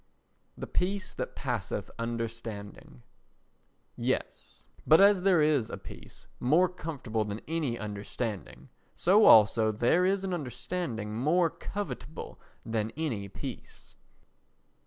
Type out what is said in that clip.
The Peace that Passeth Understanding Yes. But as there is a peace more comfortable than any understanding, so also there is an understanding more covetable than any peace.